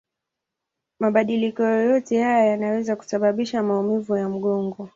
Mabadiliko yoyote haya yanaweza kusababisha maumivu ya mgongo.